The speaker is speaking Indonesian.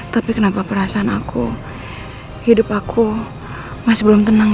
tapi kenapa perasaan aku hidup aku masih belum tenang